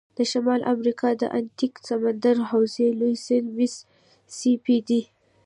د شمال امریکا د اتلانتیک سمندر حوزې لوی سیند میسی سی پي دی.